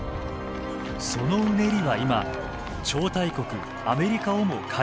そのうねりは今超大国アメリカをも変えようとしています。